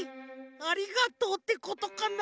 「ありがとう」ってことかな？